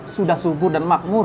sudah subur dan makmur